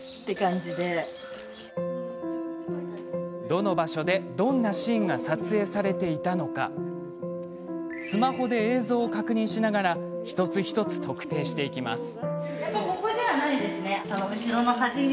どの場所で、どんなシーンが撮影されていたのかスマホで映像を確認しながら一つ一つ特定していきます。